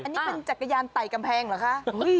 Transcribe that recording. อันนี้เป็นจักรยานไต่กำแพงเหรอคะ